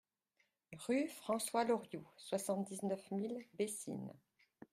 Rue François Lorioux, soixante-dix-neuf mille Bessines